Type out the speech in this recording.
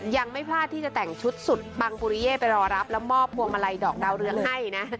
ยังไม่พลาดที่จะแต่งชุดสุดปังปุริเย่ไปรอรับแล้วมอบพวงมาลัยดอกดาวเรืองให้นะ